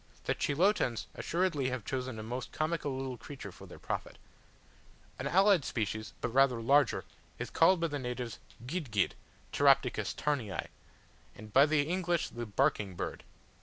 The Chilotans assuredly have chosen a most comical little creature for their prophet. An allied species, but rather larger, is called by the natives "Guid guid" (Pteroptochos Tarnii), and by the English the barking bird.